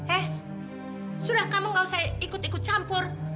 eh sudah kamu gak usah ikut ikut campur